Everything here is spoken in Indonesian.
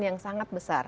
yang sangat besar